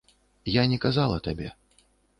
Я не казала табе.